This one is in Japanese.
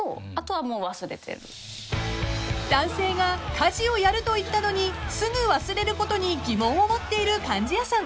［男性が「家事をやる」と言ったのにすぐ忘れることに疑問を持っている貫地谷さん］